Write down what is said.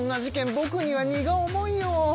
ぼくには荷が重いよ。